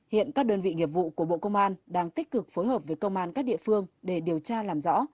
hiện các đơn vị nghiệp vụ của bộ công an đang tích cực phối hợp với công an các địa phương để điều tra làm rõ